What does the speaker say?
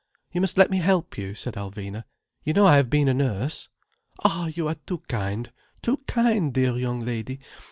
"You must let me help you," said Alvina. "You know I have been a nurse." "Ah, you are too kind, too kind, dear young lady.